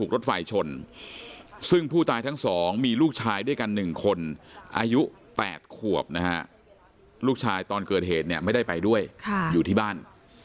ระหว่างทั้งสองมีลูกชายด้วยกันหนึ่งคนอายุแปดขวบนะฮะลูกชายตอนเกิดเหตุไม่ได้ไปด้วยอยู่ที่บ้าน